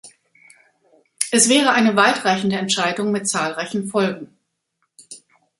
Es wäre eine weitreichende Entscheidung mit zahlreichen Folgen.